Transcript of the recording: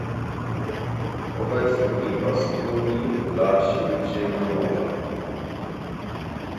Obecny impas Unii dla Śródziemnomorza